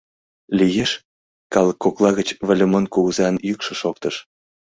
— Лиеш? — калык кокла гыч Выльымон кугызан йӱкшӧ шоктыш.